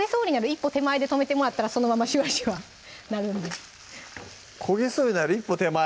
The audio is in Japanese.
一歩手前で止めてもらったらそのままシュワシュワなるんで焦げそうになる一歩手前？